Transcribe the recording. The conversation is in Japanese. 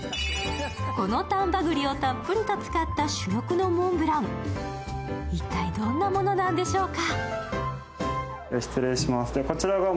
この丹波栗をたっぷりと使った珠玉のモンブラン、一体どんなものなのでしょうか？